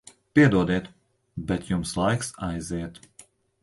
Piedodiet, bet jums laiks aiziet.